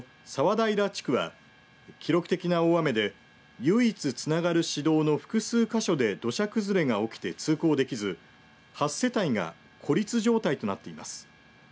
平地区は記録的な大雨で唯一つながる市道の複数箇所で土砂崩れが起きて、通行できず８世帯が孤立状態となっています。